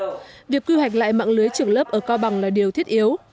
vì vậy việc quy hoạch lại mạng lưới trường lớp ở cao bằng là điều thiết yếu